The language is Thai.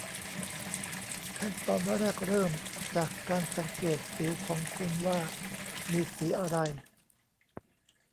ขั้นตอนแรกเริ่มจากการสังเกตสิวของคุณว่ามีสีอะไร